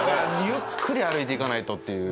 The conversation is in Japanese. ゆっくり歩いていかないとっていう。